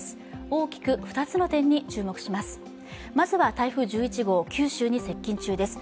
大きく２つの点に注目します。